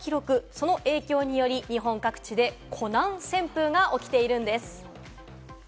その影響により日本各地でコナン旋風が起きているんです。